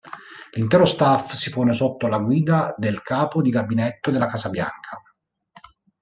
L'intero staff si pone sotto la guida del Capo di gabinetto della Casa Bianca.